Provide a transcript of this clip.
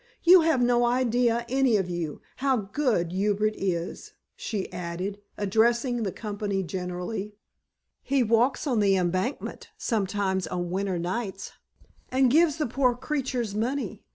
You have no idea, any of you, how good Hubert is," she added, addressing the company generally. "He walks on the Embankment sometimes on winter nights and gives the poor creatures money.